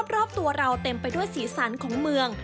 รอบตัวเราเต็มไปด้วยสีสันของเมือง